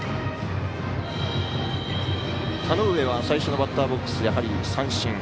田上は最初のバッターボックス三振。